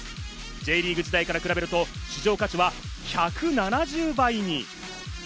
Ｊリーグ時代から比べると市場価値は１７０倍に。